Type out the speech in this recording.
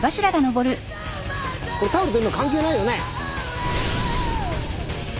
これタオルと今関係ないよね？